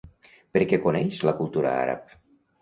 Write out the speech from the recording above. Per què coneix la cultura àrab?